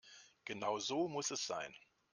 Genau so muss es sein.